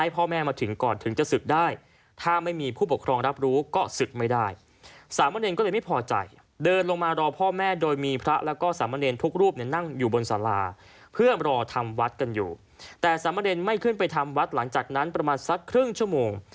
เพื่อรอทำวัดกันอยู่แต่สามะเรนไม่ขึ้นไปทำวัดหลังจากนั้นประมาณสักครึ่งชั่วโมง